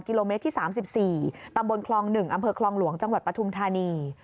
กิโลเมตรที่๓๔ตำบลคลอง๑อำเภอคลองหลวงจังหวัดปฐุมธานี